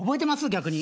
逆に。